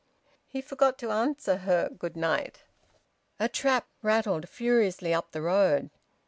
He forgot to answer her `good night.' A trap rattled furiously up the road.